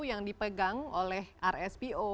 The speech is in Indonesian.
yang dipegang oleh rspo